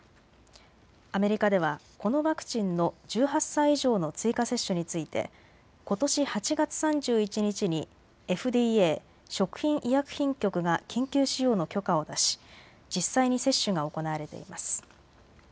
アメリカではこのワクチンの１８歳以上の追加接種についてことし８月３１日にＦＤＡ・食品医薬品局が緊急使用の許可を出し実際に接種が行われています。